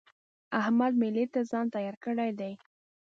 احمد مېلې ته ځان تيار کړی دی.